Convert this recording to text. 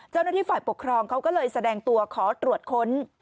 เจ้าหน้าที่ฝ่ายปกครองเขาก็เลยแสดงตัวขอตรวจค้น